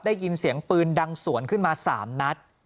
ได้ยินเสียงปืนดังสวนขึ้นมา๓นัด